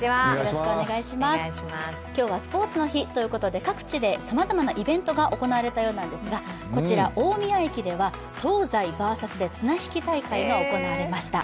今日はスポーツの日ということで、各地でさまざまなイベントが行われたようですが、こちら大宮駅では東西バーサスで綱引き大会が行われました。